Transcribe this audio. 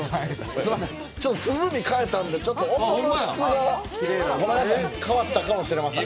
すいません、鼓変えたんで音の質が変わったかもしれません。